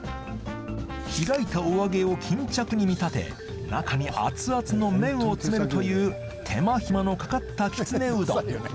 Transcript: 開いたお揚げを巾着に見立て中にアツアツの麺を詰めるという手間暇のかかったきつねうどん